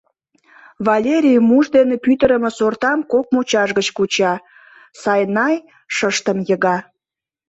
Валерий муш дене пӱтырымӧ сортам кок мучаш гыч куча, Сайнай шыштым йыга.